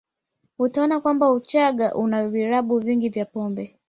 Utaona kwamba Uchaga una vilabu vingi vya pombe